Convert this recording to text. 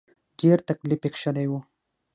ډېر تکليف یې کشلی و.